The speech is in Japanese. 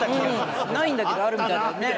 ないんだけどあるみたいだよね。